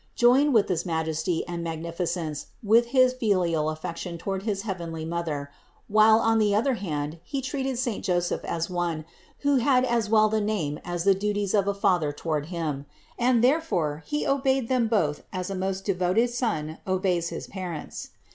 Joined with this majesty and magnificence was his filial affection toward his heavenly Mother, while on the other hand He treated saint Joseph as one, who had as well the name as the duties of a father toward Him; and therefore He obeyed them both as a most de voted Son obeys his parents.